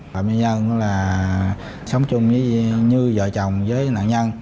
phạm duy nhân là sống chung với như vợ chồng với nạn nhân